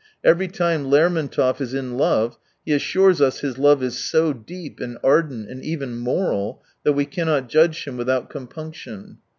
Every time Lermontov is in love, he assures us his love is so deep and ardent and e ^^ij^ moral, that we cannot judge him without conpunction.